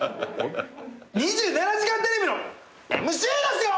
『２７時間テレビ』のＭＣですよ！？